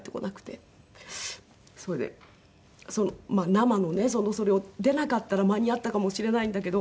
それでその生のねそれを出なかったら間に合ったかもしれないんだけど。